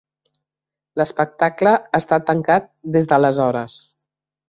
L'espectacle està tancat des d'aleshores.